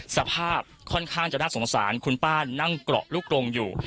สภาพค่อนข้างจะน่าสงสารคุณป้านั่งเกราะลูกโรงอยู่